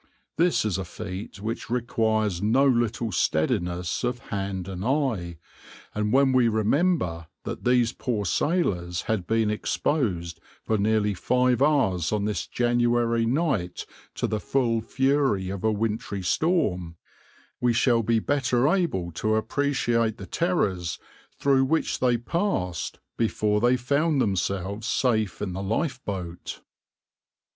This is a feat which requires no little steadiness of hand and eye, and when we remember that these poor sailors had been exposed for nearly five hours on this January night to the full fury of a wintry storm, we shall be better able to appreciate the terrors through which they passed before they found themselves safe in the lifeboat.